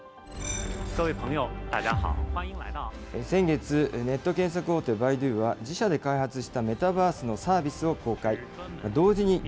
先月、ネット検索大手、バイドゥは、自社で開発したメタバースのサービスを公開。